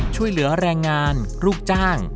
ช่วยเหลือแรงงานลูกจ้าง